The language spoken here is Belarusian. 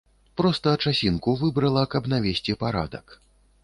Проста часінку выбрала, каб навесці парадак.